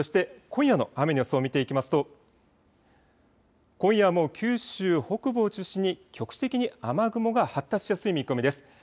そして、今夜の雨の予想を見ていきますと今夜も九州北部を中心に局地的に雨雲が発達しやすい見込みです。